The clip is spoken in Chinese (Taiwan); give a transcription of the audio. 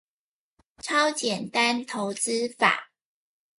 超簡單投資法